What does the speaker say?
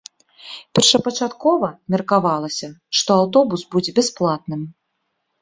Першапачаткова меркавалася, што аўтобус будзе бясплатным.